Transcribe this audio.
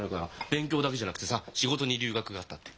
勉強だけじゃなくてさ仕事に留学があったって。